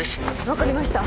分かりました。